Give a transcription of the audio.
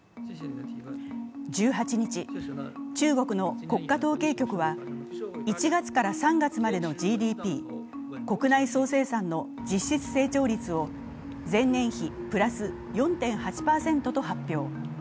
１８日、中国の国家統計局は１月から３月までのＧＤＰ＝国内総生産の実質成長率を前年比プラス４．８％と発表。